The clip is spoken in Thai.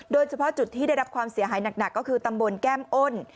โดยเฉพาะจุดที่ได้รับความเสียหายหนักก็คือตำบลแก้มอ้น